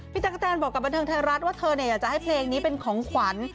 จักรแตนบอกกับบันเทิงไทยรัฐว่าเธออยากจะให้เพลงนี้เป็นของขวัญ